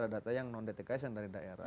data yang non dtks yang dari daerah